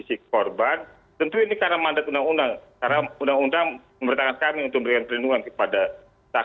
salah satunya adalah kekerasan seksual terhadap perempuan dan anak